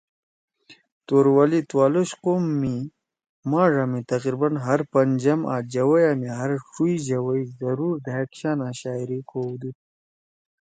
توروالی تُوالوش قوم می ماڙا می تقریباً ہر پنجم آں جوَئیا می ہر ڇُوئی جوَئی ضرور دھأک شانا شاعری کؤدُود۔